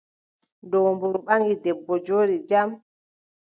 Doombru ɓaŋgi debbo, jooɗi jam.